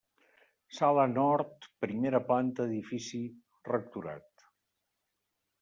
Sala nord, primera planta edifici Rectorat.